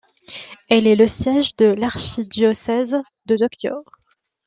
Elle est le siège de l'archidiocèse de Tokyo.